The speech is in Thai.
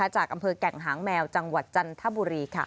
จากอำเภอแก่งหางแมวจังหวัดจันทบุรี